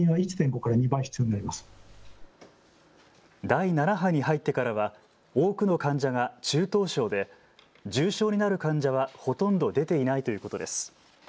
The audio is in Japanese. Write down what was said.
第７波に入ってからは多くの患者が中等症で重症になる患者はほとんど出ていないということです。